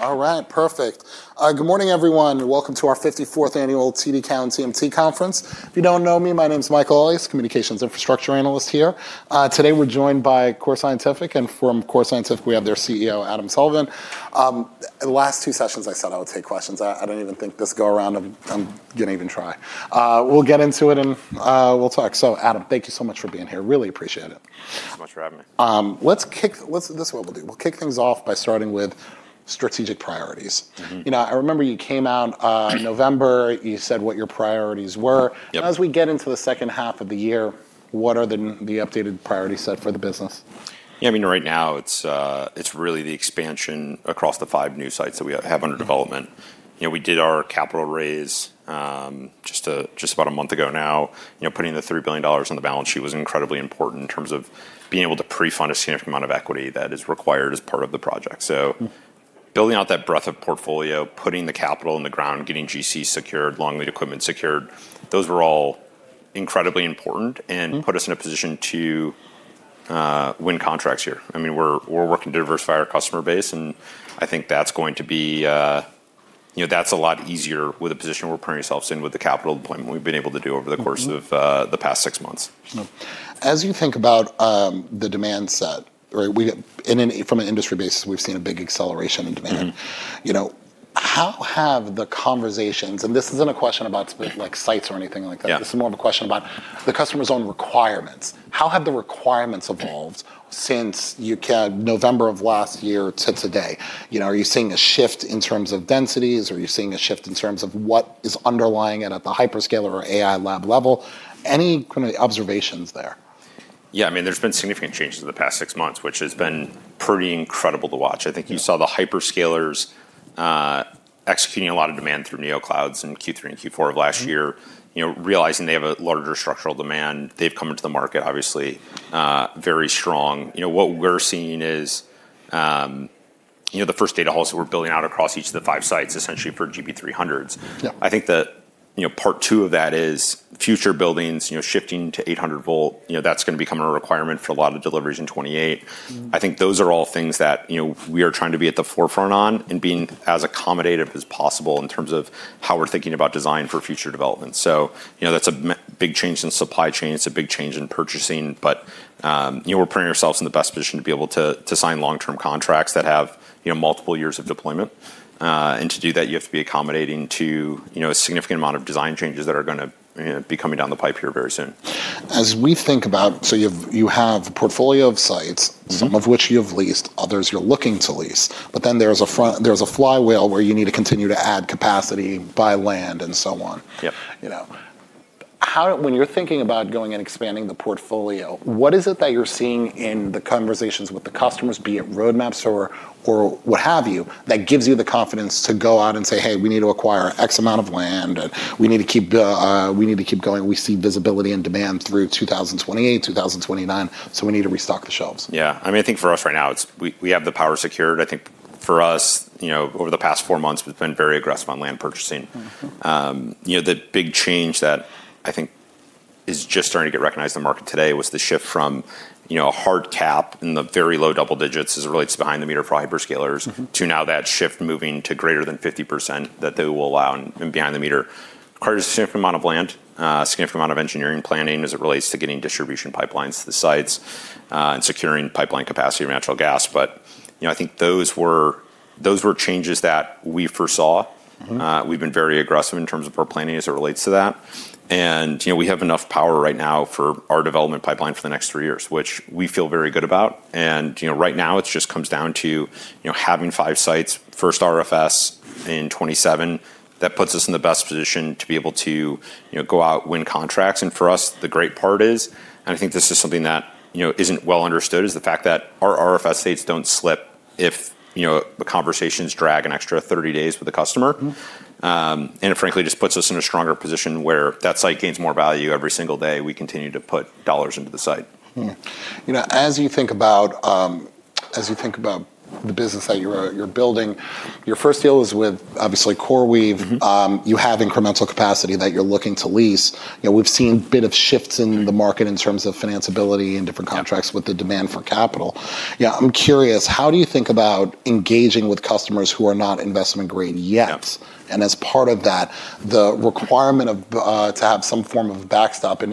All right. Perfect. Good morning, everyone, and welcome to our 54th Annual TD Cowen TMT Conference. If you don't know me, my name's Michael Elias, communications infrastructure analyst here. Today we're joined by Core Scientific, and from Core Scientific, we have their CEO, Adam Sullivan. The last two sessions I said I would take questions. I don't even think this go-around I'm going to even try. We'll get into it and we'll talk. Adam, thank you so much for being here. Really appreciate it. Thanks so much for having me. This is what we'll do. We'll kick things off by starting with strategic priorities. I remember you came out in November. You said what your priorities were. Yep. As we get into the second half of the year, what are the updated priority set for the business? Yeah, right now it's really the expansion across the five new sites that we have under development. We did our capital raise just about a month ago now. Putting the $30 billion on the balance sheet was incredibly important in terms of being able to pre-fund a significant amount of equity that is required as part of the project. Building out that breadth of portfolio, putting the capital in the ground, getting GC secured, long lead equipment secured, those were all incredibly important and put us in a position to win contracts here. We're working to diversify our customer base, and I think that's a lot easier with the position we're putting ourselves in with the capital deployment we've been able to do over the course of the past six months. As you think about the demand set, from an industry basis, we've seen a big acceleration in demand. How have the conversations, and this isn't a question about specific sites or anything like that. Yeah. This is more of a question about the customer's own requirements. How have the requirements evolved since November of last year to today? Are you seeing a shift in terms of densities? Are you seeing a shift in terms of what is underlying it at the hyperscaler or AI lab level? Any observations there? Yeah, there's been significant changes in the past six months, which has been pretty incredible to watch. I think you saw the hyperscalers executing a lot of demand through neoclouds in Q3 and Q4 of last year. Realizing they have a larger structural demand. They've come into the market, obviously, very strong. What we're seeing is the first data halls that we're building out across each of the five sites, essentially for GB300. Yeah. I think that part two of that is future buildings shifting to 800 V. That's going to become a requirement for a lot of deliveries in 2028. I think those are all things that we are trying to be at the forefront on and being as accommodative as possible in terms of how we're thinking about design for future developments. That's a big change in supply chain. It's a big change in purchasing. We're putting ourselves in the best position to be able to sign long-term contracts that have multiple years of deployment. To do that, you have to be accommodating to a significant amount of design changes that are going to be coming down the pipe here very soon. You have a portfolio of sites. Some of which you've leased, others you're looking to lease. There's a flywheel where you need to continue to add capacity, buy land, and so on. Yep. When you're thinking about going and expanding the portfolio, what is it that you're seeing in the conversations with the customers, be it roadmaps or what have you, that gives you the confidence to go out and say, "Hey, we need to acquire X amount of land, and we need to keep going. We see visibility and demand through 2028, 2029, so we need to restock the shelves"? I think for us right now, we have the power secured. I think for us, over the past four months, we've been very aggressive on land purchasing. The big change that I think is just starting to get recognized in the market today was the shift from a hard cap in the very low double digits as it relates to behind the meter for hyperscalers. To now that shift moving to greater than 50% that they will allow in behind the meter. Requires a significant amount of land, a significant amount of engineering planning as it relates to getting distribution pipelines to the sites, and securing pipeline capacity of natural gas. I think those were changes that we foresaw. We've been very aggressive in terms of our planning as it relates to that. We have enough power right now for our development pipeline for the next three years, which we feel very good about. Right now, it just comes down to having five sites, first RFS in 2027. That puts us in the best position to be able to go out, win contracts. For us, the great part is, and I think this is something that isn't well understood, is the fact that our RFS dates don't slip if the conversations drag an extra 30 days with a customer. It frankly just puts us in a stronger position where that site gains more value every single day we continue to put dollars into the site. Mm-hmm. As you think about the business that you're building, your first deal is with, obviously, CoreWeave. You have incremental capacity that you're looking to lease. We've seen a bit of shifts in the market in terms of financability and different contracts with the demand for capital. I'm curious, how do you think about engaging with customers who are not investment grade yet? Yep. As part of that, the requirement to have some form of backstop and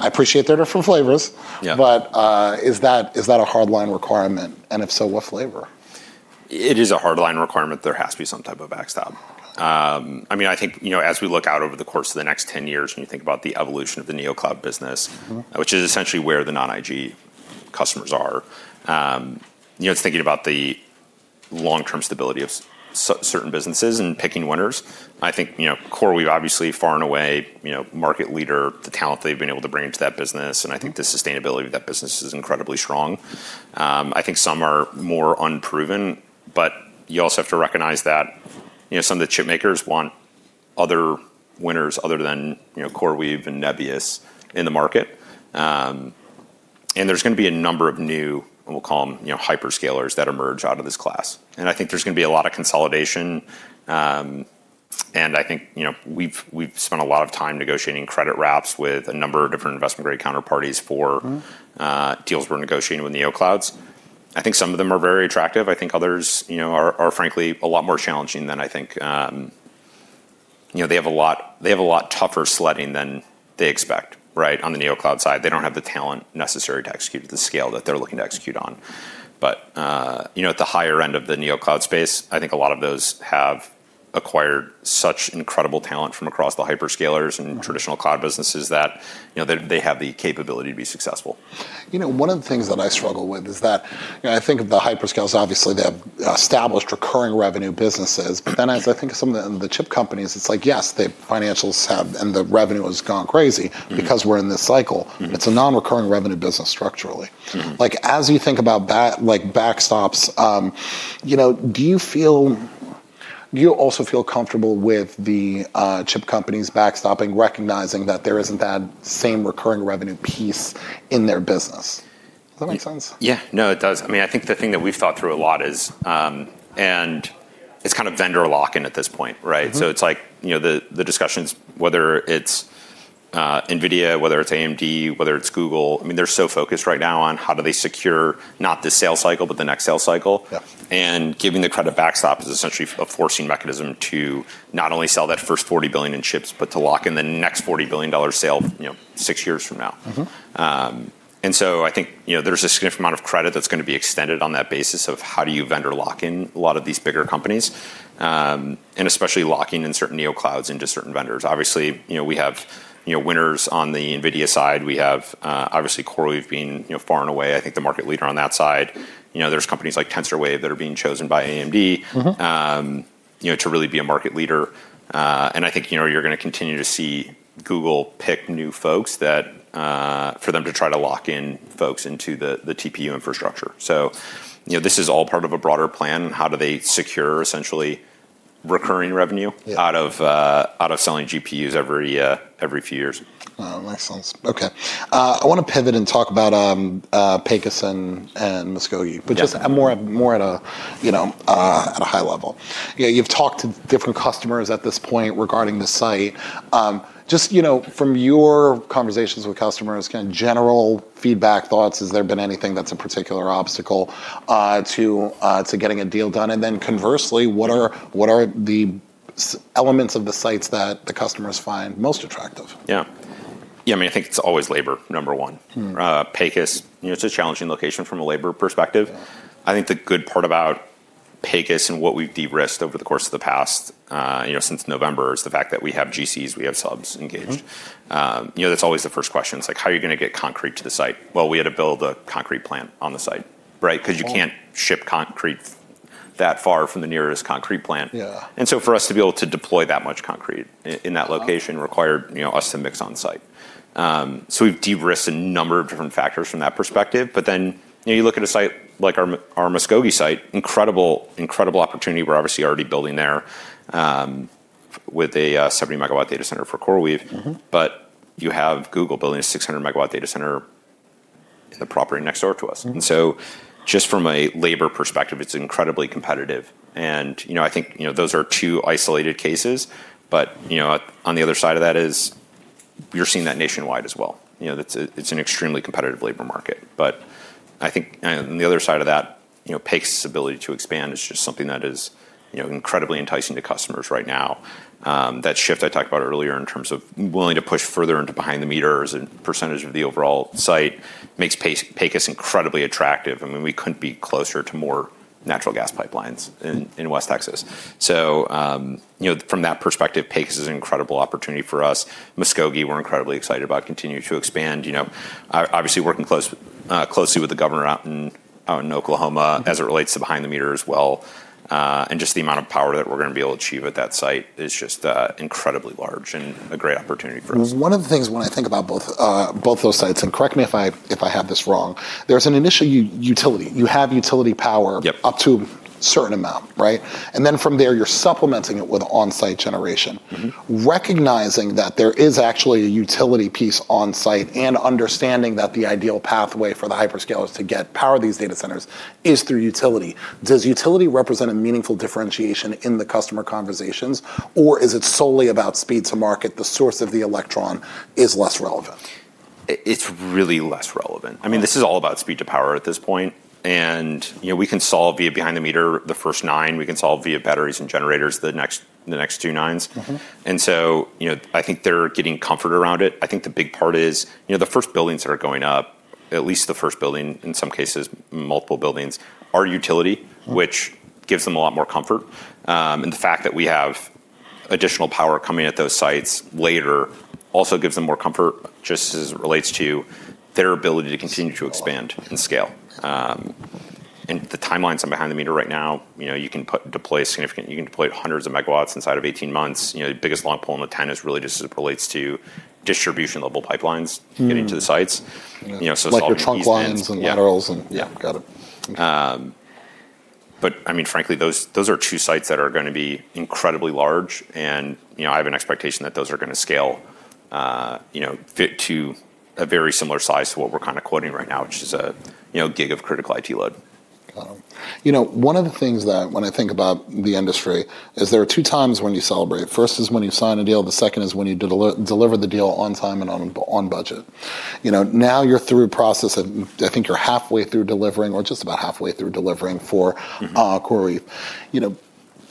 I appreciate there are different flavors. Yeah. Is that a hard line requirement? If so, what flavor? It is a hardline requirement. There has to be some type of backstop. I think as we look out over the course of the next 10 years, when you think about the evolution of the neo cloud business. Which is essentially where the non-IG customers are. It's thinking about the long-term stability of certain businesses and picking winners. I think CoreWeave, obviously far and away market leader, the talent they've been able to bring into that business, and I think the sustainability of that business is incredibly strong. I think some are more unproven, but you also have to recognize that some of the chip makers want other winners other than CoreWeave and Nebius in the market. There's going to be a number of new, and we'll call them hyperscalers, that emerge out of this class. I think there's going to be a lot of consolidation. I think we've spent a lot of time negotiating credit wraps with a number of different investment grade counterparties for deals we're negotiating with neoclouds. I think some of them are very attractive. I think others are frankly a lot more challenging than I think. They have a lot tougher sledding than they expect on the neocloud side. They don't have the talent necessary to execute at the scale that they're looking to execute on. At the higher end of the neocloud space, I think a lot of those have acquired such incredible talent from across the hyperscalers and traditional cloud businesses that they have the capability to be successful. One of the things that I struggle with is that I think of the hyperscalers, obviously, they have established recurring revenue businesses. As I think of some of the chip companies, it's like, yes, the financials have, and the revenue has gone crazy because we're in this cycle. It's a non-recurring revenue business structurally. As you think about backstops, do you also feel comfortable with the chip companies backstopping recognizing that there isn't that same recurring revenue piece in their business? Does that make sense? Yeah. No, it does. I think the thing that we've thought through a lot is it's kind of vendor lock-in at this point, right? It's like the discussions, whether it's NVIDIA, whether it's AMD, whether it's Google, they're so focused right now on how do they secure not this sales cycle, but the next sales cycle. Yeah. Giving the credit backstop is essentially a forcing mechanism to not only sell that first 40 billion in chips, but to lock in the next $40 billion sale six years from now. I think, there's a significant amount of credit that's going to be extended on that basis of how do you vendor lock in a lot of these bigger companies. Especially locking in certain neoclouds into certain vendors. Obviously, we have winners on the NVIDIA side. We have, obviously, CoreWeave being far and away, I think, the market leader on that side. There's companies like TensorWave that are being chosen by AMD to really be a market leader. I think, you're going to continue to see Google pick new folks for them to try to lock in folks into the TPU infrastructure. This is all part of a broader plan on how do they secure essentially recurring revenue out of selling GPUs every few years. Oh, makes sense. Okay. I want to pivot and talk about Pecos and Muskogee, but just more at a high level. You've talked to different customers at this point regarding the site. Just from your conversations with customers, kind of general feedback, thoughts, has there been anything that's a particular obstacle to getting a deal done? Conversely, what are the elements of the sites that the customers find most attractive? Yeah. I think it's always labor, number one. Pecos, it's a challenging location from a labor perspective. I think the good part about Pecos and what we've de-risked over the course of the past, since November, is the fact that we have GCs, we have subs engaged. That's always the first question. It's like, how are you going to get concrete to the site? Well, we had to build a concrete plant on the site. Right? Because you can't ship concrete that far from the nearest concrete plant. Yeah. For us to be able to deploy that much concrete in that location required us to mix on-site. We've de-risked a number of different factors from that perspective. You look at a site like our Muskogee site, incredible opportunity. We're obviously already building there, with a 70 MW data center for CoreWeave. You have Google building a 600 MW data center in the property next door to us. Just from a labor perspective, it's incredibly competitive. I think those are two isolated cases. On the other side of that is you're seeing that nationwide as well. It's an extremely competitive labor market. I think on the other side of that, Pecos' ability to expand is just something that is incredibly enticing to customers right now. That shift I talked about earlier in terms of willing to push further into behind the meter and percentage of the overall site makes Pecos incredibly attractive. We couldn't be closer to more natural gas pipelines in West Texas. From that perspective, Pecos is an incredible opportunity for us. Muskogee, we're incredibly excited about, continuing to expand. Obviously working closely with the governor out in Oklahoma as it relates to behind the meter as well, and just the amount of power that we're going to be able to achieve at that site is just incredibly large and a great opportunity for us. One of the things when I think about both those sites, correct me if I have this wrong, there's an initial utility. You have utility power- Yep.... up to a certain amount, right? From there, you're supplementing it with onsite generation. Recognizing that there is actually a utility piece on site and understanding that the ideal pathway for the hyperscalers to get power these data centers is through utility, does utility represent a meaningful differentiation in the customer conversations, or is it solely about speed to market, the source of the electron is less relevant? It's really less relevant. This is all about speed to power at this point. We can solve via behind the meter the first nine. We can solve via batteries and generators the next two nines. I think they're getting comfort around it. I think the big part is the first buildings that are going up, at least the first building, in some cases multiple buildings, are utility, which gives them a lot more comfort. The fact that we have additional power coming at those sites later also gives them more comfort just as it relates to their ability to continue to expand and scale. The timelines on behind the meter right now, you can deploy hundreds of megawatts inside of 18 months. The biggest lump on the 10 is really just as it relates to distribution level pipelines getting to the sites. Like the trunk lines and laterals and. Yeah. Got it. Okay. Frankly, those are two sites that are going to be incredibly large and I have an expectation that those are going to scale fit to a very similar size to what we're kind of quoting right now, which is a gig of critical IT load. One of the things that when I think about the industry is there are two times when you celebrate. First is when you sign a deal, the second is when you deliver the deal on time and on budget. Now you're through process and I think you're halfway through delivering, or just about halfway through delivering for CoreWeave.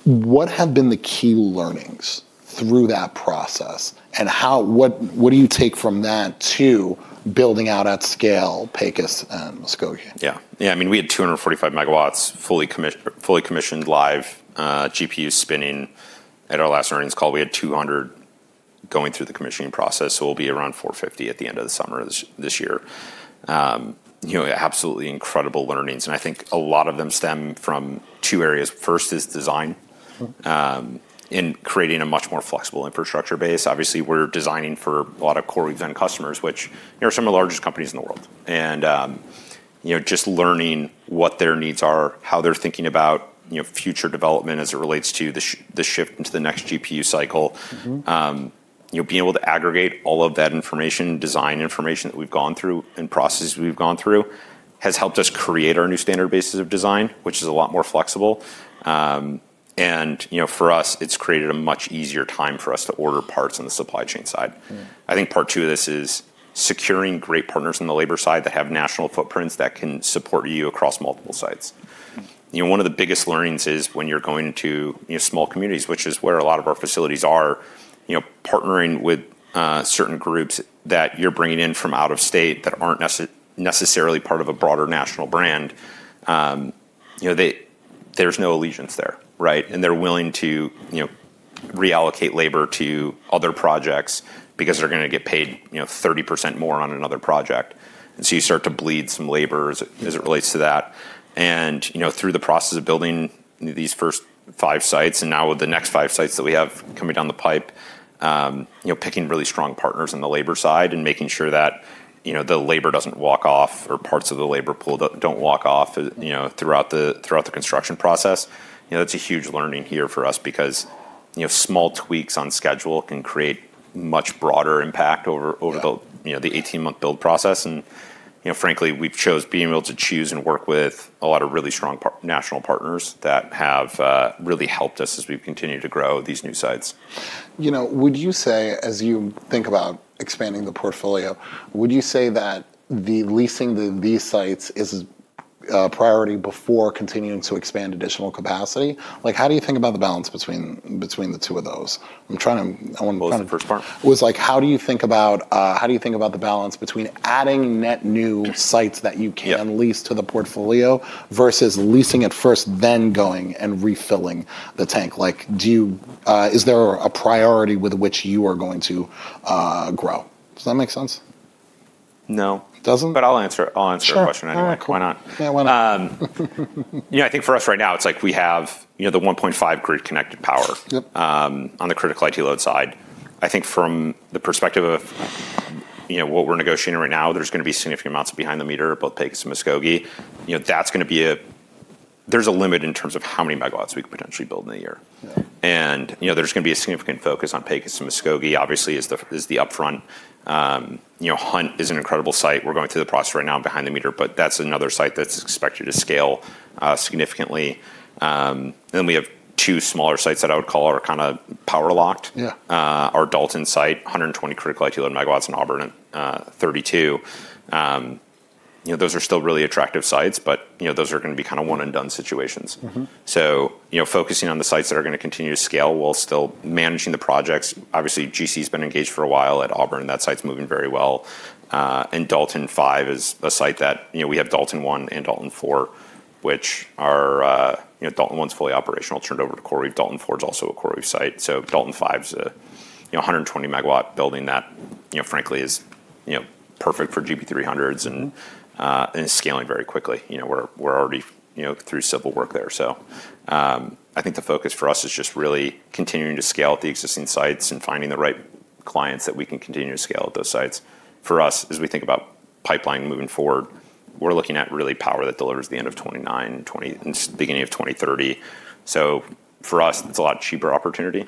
What have been the key learnings through that process, and what do you take from that to building out at scale Pecos and Muskogee? Yeah. We had 245 MW fully commissioned live, GPUs spinning. At our last earnings call, we had 200 going through the commissioning process, so we'll be around 450 MW at the end of the summer this year. Absolutely incredible learnings, and I think a lot of them stem from two areas. First is design, in creating a much more flexible infrastructure base. Obviously, we're designing for a lot of CoreWeave customers, which are some of the largest companies in the world. Just learning what their needs are, how they're thinking about future development as it relates to the shift into the next GPU cycle. Being able to aggregate all of that information, design information that we've gone through and processes we've gone through, has helped us create our new standard bases of design, which is a lot more flexible. For us, it's created a much easier time for us to order parts on the supply chain side. I think part two of this is securing great partners on the labor side that have national footprints that can support you across multiple sites. One of the biggest learnings is when you're going to small communities, which is where a lot of our facilities are, partnering with certain groups that you're bringing in from out of state that aren't necessarily part of a broader national brand. There's no allegiance there, and they're willing to reallocate labor to other projects because they're going to get paid 30% more on another project. You start to bleed some labor as it relates to that. Through the process of building these first five sites and now with the next five sites that we have coming down the pipe, picking really strong partners on the labor side and making sure that the labor doesn't walk off, or parts of the labor pool don't walk off throughout the construction process. That's a huge learning here for us because small tweaks on schedule can create much broader impact. Yeah. Or the 18-month build process and, frankly, we've chose being able to choose and work with a lot of really strong national partners that have really helped us as we've continued to grow these new sites. Would you say, as you think about expanding the portfolio, would you say that the leasing of these sites is a priority before continuing to expand additional capacity? How do you think about the balance between the two of those? What was the first part? Was like, how do you think about the balance between adding net new sites that you can lease to the portfolio versus leasing it first, then going and refilling the tank? Is there a priority with which you are going to grow? Does that make sense? No. It doesn't? I'll answer your question anyway. Sure. All right, cool. Why not? Yeah, why not? I think for us right now, it's like we have the 1.5 grid connected power- Yep.... on the critical IT load side. I think from the perspective of what we're negotiating right now, there's going to be significant amounts behind the meter at both Pecos and Muskogee. There's a limit in terms of how many megawatts we could potentially build in a year. Yeah. There's going to be a significant focus on Pecos and Muskogee, obviously, is the upfront. Hunt is an incredible site. We're going through the process right now behind the meter, that's another site that's expected to scale significantly. We have two smaller sites that I would call are kind of power locked. Yeah. Our Dalton site, 120 critical IT load megawatts and Auburn in 32 MW. Those are still really attractive sites, those are going to be one and done situations. Focusing on the sites that are going to continue to scale while still managing the projects. Obviously, GC's been engaged for a while at Auburn. That site's moving very well. Dalton 5 is a site that, we have Dalton 1 and Dalton 4. Dalton 1's fully operational, turned over to CoreWeave. Dalton 4's also a CoreWeave site. Dalton 5's a 120 MW building that frankly is perfect for GB300 and is scaling very quickly. We're already through civil work there. I think the focus for us is just really continuing to scale at the existing sites and finding the right clients that we can continue to scale at those sites. For us, as we think about pipeline moving forward, we're looking at really power that delivers at the end of 2029, beginning of 2030. For us, it's a lot cheaper opportunity,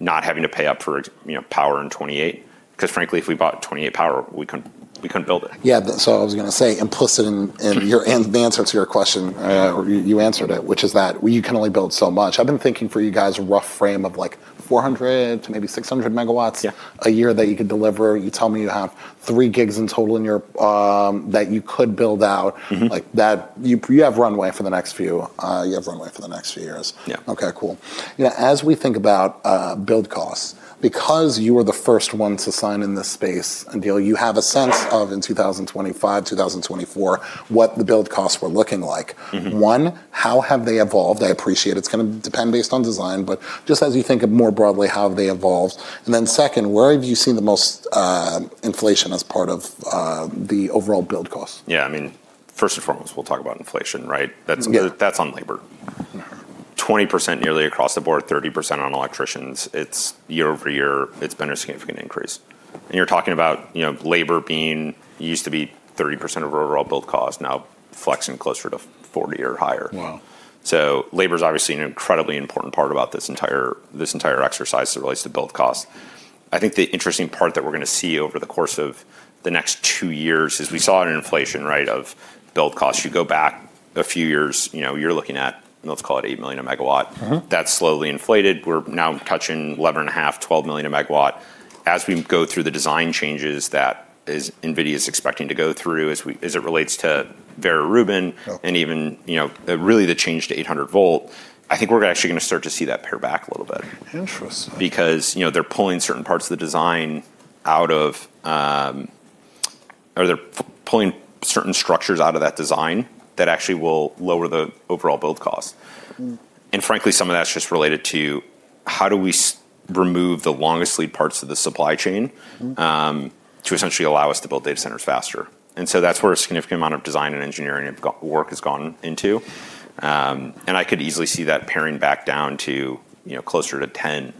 not having to pay up for power in 2028, because frankly, if we bought 2028 power, we couldn't build it. Yeah. I was going to say, implicit in the answer to your question, or you answered it, which is that you can only build so much. I've been thinking for you guys a rough frame of 400 MW to maybe 600 MW. Yeah. A year that you could deliver. You tell me you have 3 GW in total that you could build out. You have runway for the next few years. Yeah. Okay, cool. As we think about build costs, because you were the first ones to sign in this space and deal, you have a sense of, in 2025, 2024, what the build costs were looking like? How have they evolved? I appreciate it's going to depend based on design, but just as you think of more broadly, how have they evolved? Second, where have you seen the most inflation as part of the overall build cost? Yeah. First and foremost, we'll talk about inflation, right? Yeah. That's on labor. 20% nearly across the board, 30% on electricians. It's year-over-year, it's been a significant increase. You're talking about labor used to be 30% of overall build cost, now flexing closer to 40% or higher. Wow. Labor is obviously an incredibly important part about this entire exercise as it relates to build cost. I think the interesting part that we're going to see over the course of the next two years is we saw an inflation, right, of build cost. You go back a few years, you're looking at, let's call it $8 million a megawatt. That's slowly inflated. We're now touching $11.5 million, $12 million per megawatt. As we go through the design changes that NVIDIA's expecting to go through as it relates to Vera Rubin. Oh. Even, really the change to 800 V, I think we're actually going to start to see that pare back a little bit. Interesting. They're pulling certain parts of the design out of, or they're pulling certain structures out of that design that actually will lower the overall build cost. Frankly, some of that's just related to how do we remove the longest lead parts of the supply chain to essentially allow us to build data centers faster. That's where a significant amount of design and engineering work has gone into. I could easily see that paring back down to closer to $10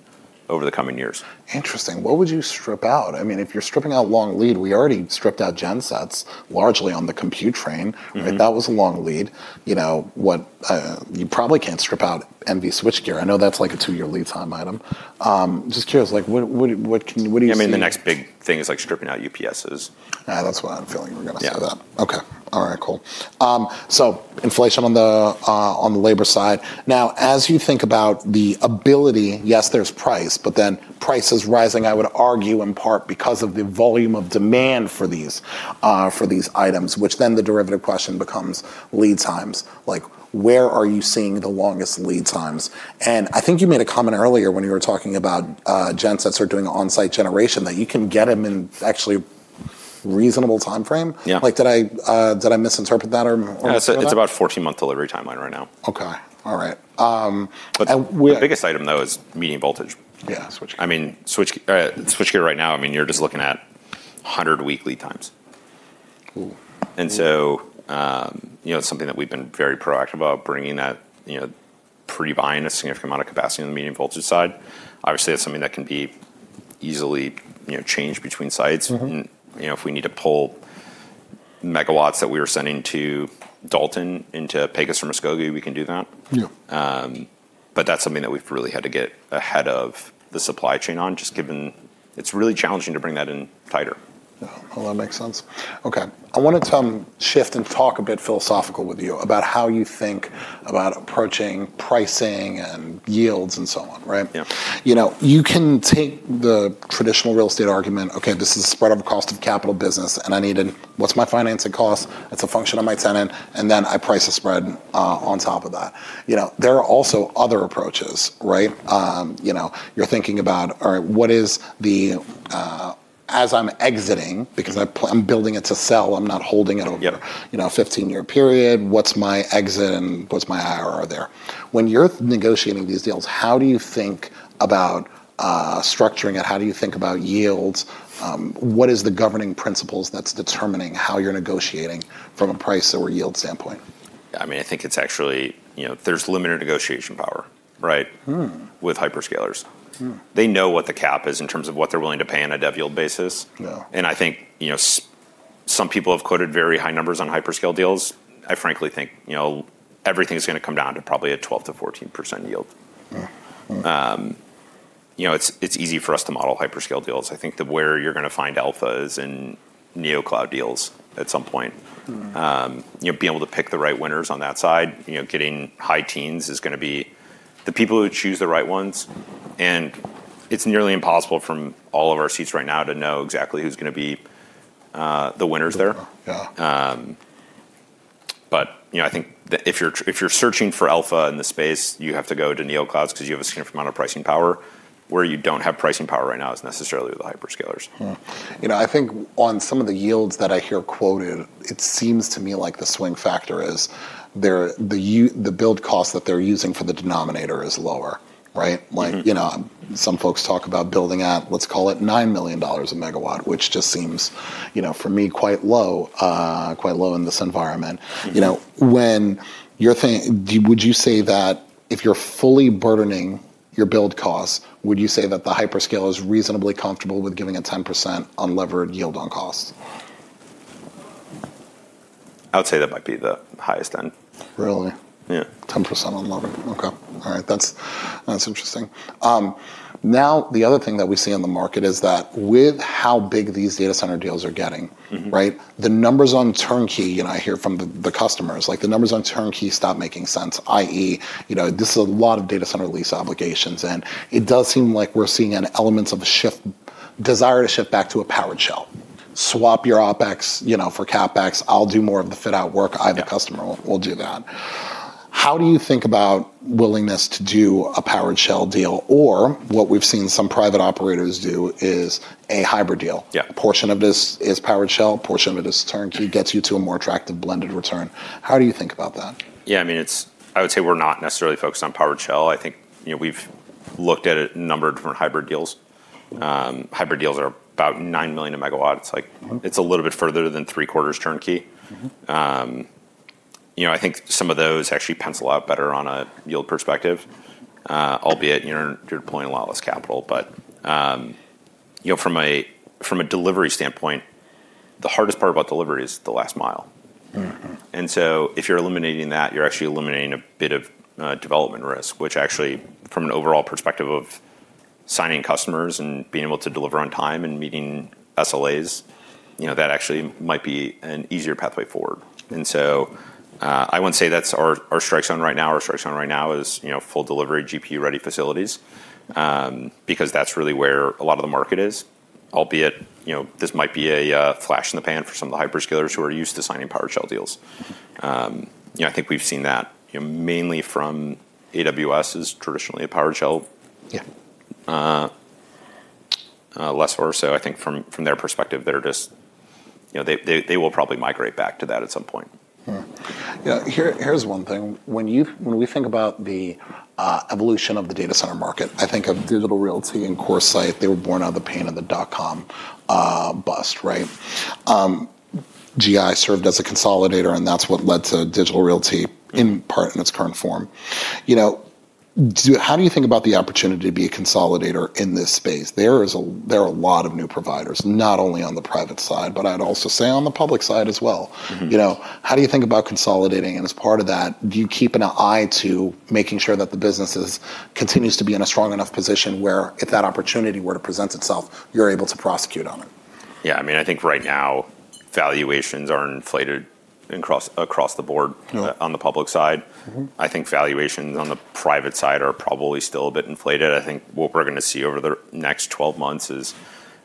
million over the coming years. Interesting. What would you strip out? If you're stripping out long lead, we already stripped out gensets largely on the compute train. That was a long lead. You probably can't strip out megawatt switchgear. I know that's like a two year lead time item. Just curious, what do you see? I mean, the next big thing is stripping out UPSs. That's what I'm feeling we're going to see. Yeah. Okay. All right, cool. Inflation on the labor side. As you think about the ability, yes, there's price, but price is rising, I would argue in part because of the volume of demand for these items, the derivative question becomes lead times. Where are you seeing the longest lead times? I think you made a comment earlier when you were talking about gensets or doing onsite generation, that you can get them in actually reasonable timeframe. Yeah. Did I misinterpret that or no? It's about a 14-month delivery timeline right now. Okay. All right. The biggest item, though, is medium voltage. Yeah. Switchgear right now, you're just looking at 100-week lead times. Ooh. It's something that we've been very proactive about pre-buying a significant amount of capacity on the medium voltage side. Obviously, that's something that can be easily changed between sites. If we need to pull megawatts that we were sending to Dalton into Pecos or Muskogee, we can do that. Yeah. That's something that we've really had to get ahead of the supply chain on, just given it's really challenging to bring that in tighter. Yeah. Well, that makes sense. Okay. I want to shift and talk a bit philosophical with you about how you think about approaching pricing and yields and so on, right? Yeah. You can take the traditional real estate argument, okay, this is a spread of a cost of capital business, and I need to, what's my financing cost? It's a function of my tenant, and then I price a spread, on top of that. There are also other approaches, right? You're thinking about, all right, as I'm exiting, because I'm building it to sell, I'm not holding it over- Yeah.... a 15-year period. What's my exit and what's my IRR there? When you're negotiating these deals, how do you think about structuring it? How do you think about yields? What is the governing principles that's determining how you're negotiating from a price or yield standpoint? I think it's actually, there's limited negotiation power, right? With hyperscalers. They know what the cap is in terms of what they're willing to pay on a dev yield basis. Yeah. I think, some people have quoted very high numbers on hyperscale deals. I frankly think everything's going to come down to probably a 12%-14% yield. It's easy for us to model hyperscale deals. I think that where you're going to find alpha is in neocloud deals at some point. Being able to pick the right winners on that side, getting high teens is going to be the people who choose the right ones. It's nearly impossible from all of our seats right now to know exactly who's going to be the winners there. Yeah. I think that if you're searching for alpha in the space, you have to go to neoclouds because you have a significant amount of pricing power. Where you don't have pricing power right now is necessarily with the hyperscalers. I think on some of the yields that I hear quoted, it seems to me like the swing factor is the build cost that they're using for the denominator is lower. Right? Some folks talk about building out, let's call it $9 million a megawatt, which just seems, for me, quite low in this environment. Would you say that if you're fully burdening your build cost, would you say that the hyperscale is reasonably comfortable with giving a 10% unlevered yield on cost? I would say that might be the highest end. Really? Yeah. 10% unlevered. Okay. All right. That's interesting. The other thing that we see on the market is that with how big these data center deals are getting, right? The numbers on turnkey, and I hear from the customers, the numbers on turnkey stop making sense, i.e., this is a lot of data center lease obligations. It does seem like we're seeing an element of a desire to shift back to a powered shell. Swap your OpEx for CapEx. I'll do more of the fit-out work. Yeah. I'm the customer. We'll do that. How do you think about willingness to do a powered shell deal or what we've seen some private operators do is a hybrid deal? Yeah. A portion of this is powered shell, a portion of it is turnkey, gets you to a more attractive blended return. How do you think about that? Yeah, I would say we're not necessarily focused on powered shell. I think we've looked at a number of different hybrid deals. Hybrid deals are about $9 million a megawatt. It's a little bit further than three quarters turnkey. I think some of those actually pencil out better on a yield perspective, albeit you're deploying a lot less capital. From a delivery standpoint. The hardest part about delivery is the last mile. If you're eliminating that, you're actually eliminating a bit of development risk, which actually, from an overall perspective of signing customers and being able to deliver on time and meeting SLAs, that actually might be an easier pathway forward. I wouldn't say that's our strike zone right now. Our strike zone right now is full delivery GPU-ready facilities, because that's really where a lot of the market is. Albeit, this might be a flash in the pan for some of the hyperscalers who are used to signing powered shell deals. I think we've seen that mainly from AWS is traditionally a powered shell. Yeah. Less so, I think from their perspective, they will probably migrate back to that at some point. Yeah. Here's one thing, when we think about the evolution of the data center market, I think of Digital Realty and CoreSite, they were born out of the pain of the dot-com bust, right? GI served as a consolidator, that's what led to Digital Realty, in part, in its current form. How do you think about the opportunity to be a consolidator in this space? There are a lot of new providers, not only on the private side, but I'd also say on the public side as well. How do you think about consolidating, and as part of that, do you keep an eye to making sure that the businesses continues to be in a strong enough position where if that opportunity were to present itself, you're able to prosecute on it? Yeah, I think right now valuations are inflated across the board on the public side. I think valuations on the private side are probably still a bit inflated. I think what we're going to see over the next 12 months is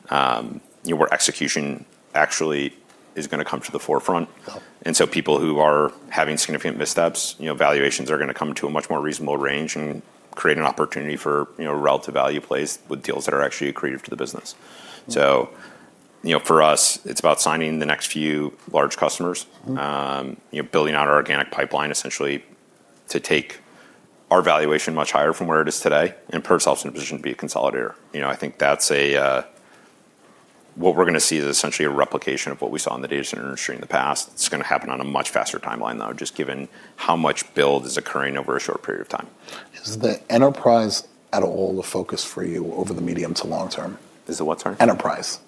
where execution actually is going to come to the forefront. Oh. People who are having significant missteps, valuations are going to come to a much more reasonable range and create an opportunity for relative value plays with deals that are actually accretive to the business. For us, it's about signing the next few large customers. Building out our organic pipeline essentially to take our valuation much higher from where it is today, and put ourselves in a position to be a consolidator. I think what we're going to see is essentially a replication of what we saw in the data center industry in the past. It's going to happen on a much faster timeline, though, just given how much build is occurring over a short period of time. Is the enterprise at all a focus for you over the medium to long term? Is it what, sorry? Enterprise,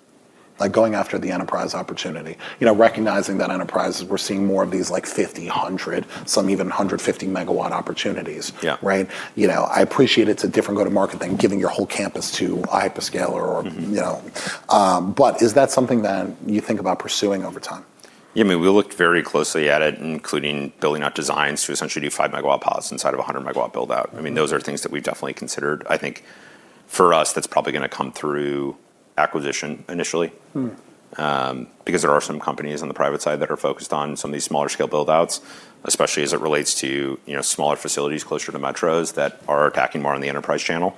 like going after the enterprise opportunity. Recognizing that enterprises, we're seeing more of these like 50 MW, 100 MW, some even 150 MW opportunities. Yeah. Right. I appreciate it's a different go to market than giving your whole campus to a hyperscaler or, is that something that you think about pursuing over time? Yeah, we looked very closely at it, including building out designs to essentially do five megawatt pods inside of a 100 MW build-out. Those are things that we've definitely considered. I think for us, that's probably going to come through acquisition initially. There are some companies on the private side that are focused on some of these smaller scale build-outs, especially as it relates to smaller facilities closer to metros that are attacking more on the enterprise channel.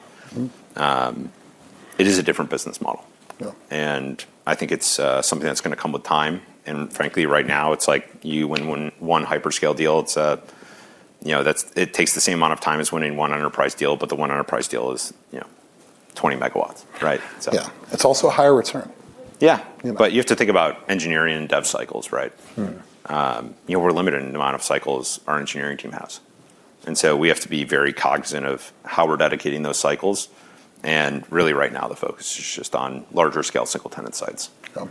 It is a different business model. Yeah. I think it's something that's going to come with time, and frankly, right now it's like you win one hyperscale deal. It takes the same amount of time as winning one enterprise deal, but the one enterprise deal is 20 MW, right? Yeah. It's also a higher return. Yeah. Yeah. You have to think about engineering dev cycles, right? We're limited in the amount of cycles our engineering team has, we have to be very cognizant of how we're dedicating those cycles. Really right now, the focus is just on larger scale single tenant sites. Oh.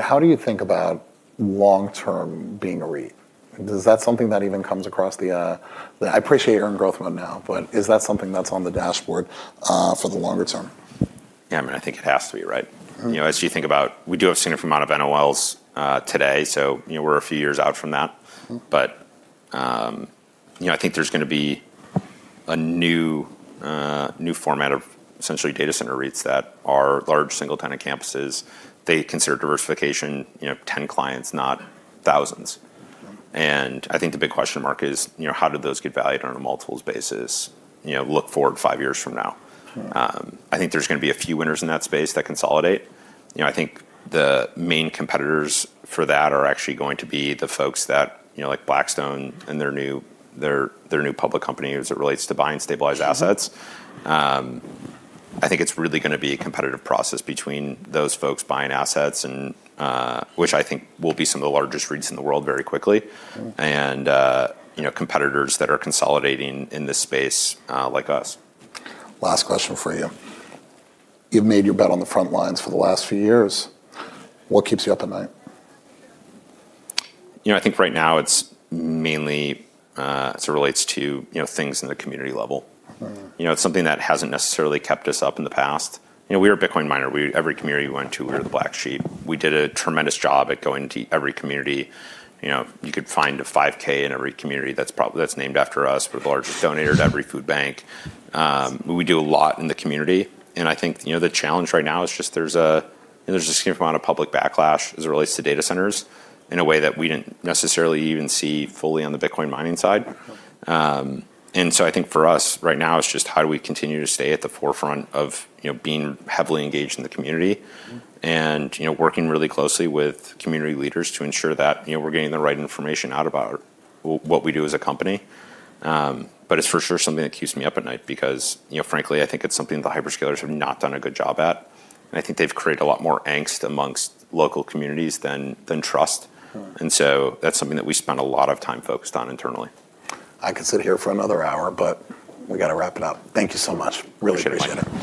How do you think about long term being a REIT? I appreciate you're in growth mode now, but is that something that's on the dashboard for the longer term? Yeah, I think it has to be, right? As you think about, we do have a significant amount of NOLs today, we're a few years out from that. I think there's going to be a new format of essentially data center REITs that are large single tenant campuses. They consider diversification 10 clients, not thousands. I think the big question mark is, how do those get valued on a multiples basis look forward five years from now? I think there's going to be a few winners in that space that consolidate. I think the main competitors for that are actually going to be the folks like Blackstone and their new public company as it relates to buying stabilized assets. I think it's really going to be a competitive process between those folks buying assets, which I think will be some of the largest REITs in the world very quickly. Competitors that are consolidating in this space, like us. Last question for you. You've made your bet on the front lines for the last few years. What keeps you up at night? I think right now it's mainly as it relates to things in the community level. It's something that hasn't necessarily kept us up in the past. We were a Bitcoin miner. Every community we went to, we were the black sheep. We did a tremendous job at going into every community. You could find a 5K in every community that's named after us. We're the largest donator to every food bank. I think the challenge right now is just there's a significant amount of public backlash as it relates to data centers in a way that we didn't necessarily even see fully on the Bitcoin mining side. Oh. I think for us right now, it's just how do we continue to stay at the forefront of being heavily engaged in the community. Working really closely with community leaders to ensure that we're getting the right information out about what we do as a company. It's for sure something that keeps me up at night because, frankly, I think it's something the hyperscalers have not done a good job at. I think they've created a lot more angst amongst local communities than trust. Right. That's something that we spend a lot of time focused on internally. I could sit here for another hour. We got to wrap it up. Thank you so much. Really appreciate it.